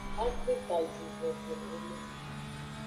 Afrikajuvovowome.